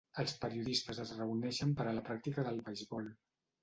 Els periodistes es reuneixen per a la pràctica del beisbol.